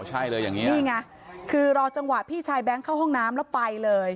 ใช่เลยอย่างนี้นี่ไงคือรอจังหวะพี่ชายแบงค์เข้าห้องน้ำแล้วไปเลย